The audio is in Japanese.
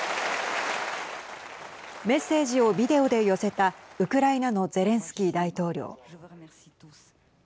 メッセージをビデオで寄せたウクライナのゼレンスキー大統領。